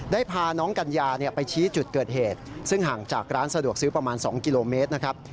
พาน้องกัญญาไปชี้จุดเกิดเหตุซึ่งห่างจากร้านสะดวกซื้อประมาณ๒กิโลเมตรนะครับ